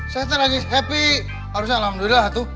saya lagi happy harusnya alhamdulillah tuh